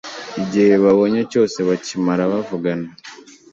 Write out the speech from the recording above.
igihe babonye cyose bakimara bavugana